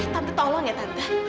tante tolong ya tante